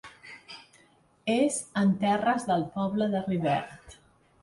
És en terres del poble de Rivert.